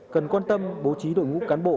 cần quan tâm bố trí đội ngũ cán bộ